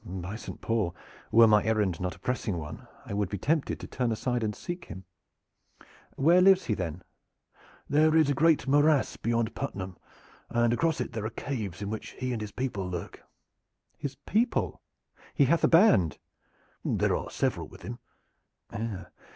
"By Saint Paul! were my errand not a pressing one I would be tempted to turn aside and seek him. Where lives he, then?" "There is a great morass beyond Puttenham, and across it there are caves in which he and his people lurk." "His people? He hath a band?" "There are several with him."